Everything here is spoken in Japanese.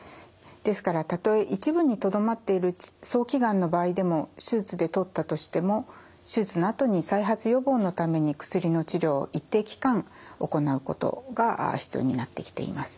ですからたとえ一部にとどまっている早期がんの場合でも手術で取ったとしても手術のあとに再発予防のために薬の治療を一定期間行うことが必要になってきています。